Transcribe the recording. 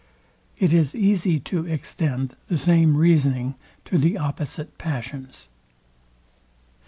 It is easy to extend the same reasoning to the opposite passions.